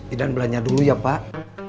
idan belanja dulu ya pak